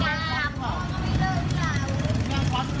ไม่ต้องกลัวครับจะตามเจอ